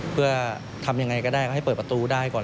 เพื่อทำยังไงก็ได้ก็ให้เปิดประตูได้ก่อน